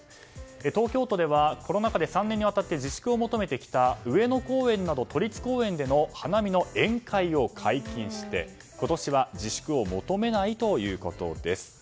東京都ではコロナ禍で３年にわたって自粛を求めてきた上野公園など都立公園での花見の宴会を解禁して今年は自粛を求めないということです。